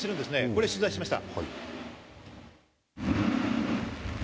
これを取材しました。